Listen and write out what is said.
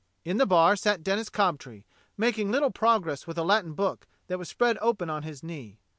In the bar sat Denis Cobtree, making little progress with a Latin book that was spread open on his knee.